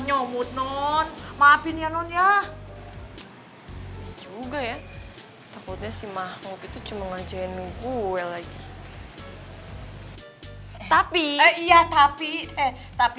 nyomot non maafin ya non ya juga ya takutnya si mahmuk itu cuma ngecenu kue lagi tapi iya tapi eh tapi